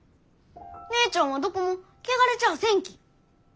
姉ちゃんはどこも汚れちゃあせんき。